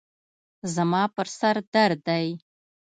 زما پر سر درد دی.